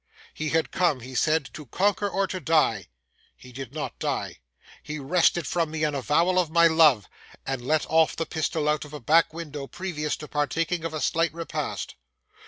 He had come, he said, to conquer or to die. He did not die. He wrested from me an avowal of my love, and let off the pistol out of a back window previous to partaking of a slight repast.